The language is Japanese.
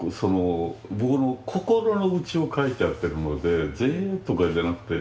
僕の心の内を描いてあってるもので前衛とかじゃなくて。